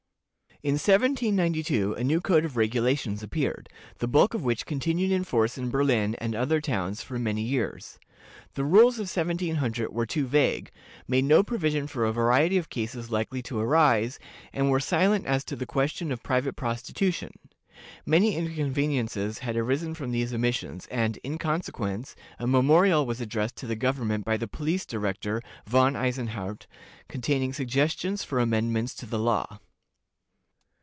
In 1792 a new code of regulations appeared, the bulk of which continued in force in Berlin and other towns for many years. The rules of 1700 were too vague, made no provision for a variety of cases likely to arise, and were silent as to the question of private prostitution. Many inconveniences had arisen from these omissions, and, in consequence, a memorial was addressed to the government by the police director, Von Eisenhardt, containing suggestions for amendments to the law.